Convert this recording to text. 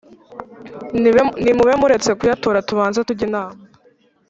nimube muretse kuyatora tubanze tujye inama.